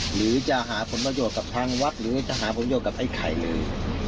หรือจะหาผลประโยชน์กับทางวัดหรือจะหาผลโยชนกับไอ้ไข่เลย